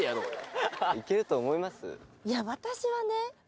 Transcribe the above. いや私はね。